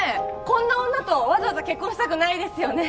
こんな女とわざわざ結婚したくないですよね